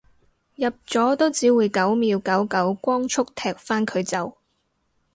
入咗都只會九秒九九光速踢返佢走